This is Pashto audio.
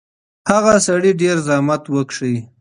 هغه سړي ډېر زحمت وکښی.